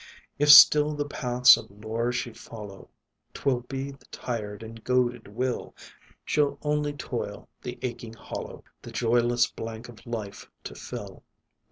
If still the paths of lore she follow, 'Twill be with tired and goaded will; She'll only toil, the aching hollow, The joyless blank of life to fill.